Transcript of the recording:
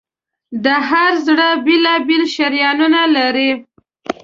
د هر زړه بېل بېل شریانونه لري.